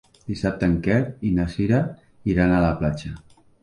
Dissabte en Quer i na Cira iran a la platja.